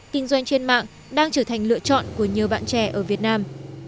kinh doanh trên mạng đang trở thành lựa chọn của nhiều bạn trẻ ở việt nam